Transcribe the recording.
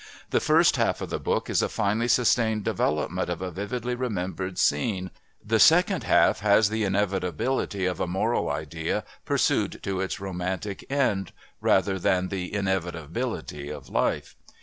The first half of the book is a finely sustained development of a vividly remembered scene, the second half has the inevitability of a moral idea pursued to its romantic end rather than the inevitability of life.